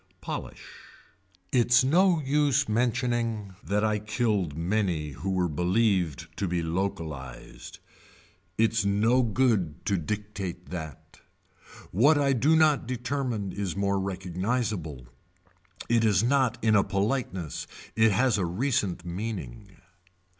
Polish. Its no use mentioning that I killed many who were believed to be localized. Its no good to dictate that. What I do not determine is more recognizable, it is not in a politeness, it has a recent meaning.